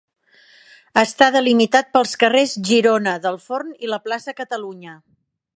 Està delimitat pels carrers Girona, del Forn i la plaça Catalunya.